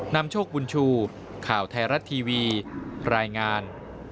นำโชคบุญชูข่าวไทยรัฐทีวีรายงาน